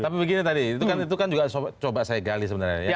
tapi begini tadi itu kan juga coba saya gali sebenarnya ya